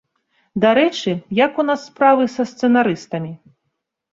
Дарэчы, як у нас справы са сцэнарыстамі?